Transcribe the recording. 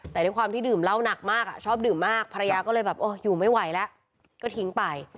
แต่ด้วยความที่ดื่มเหล้าหนักมากชอบดื่มมากภรรยาก็เลยแบบอยู่ไม่ไหวแล้วก็ทิ้งไป